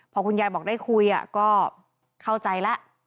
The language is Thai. ตอนยายบอกได้คุยก็เข้าใจละ